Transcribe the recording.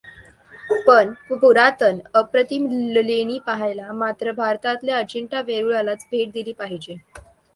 पण पुरातन अप्रतिम लेणी पहायला मात्र भारतातल्या अजिंठा वेरूळलाच भेट दिली पाहिजे!